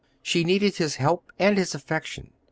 She needed his help and his affection.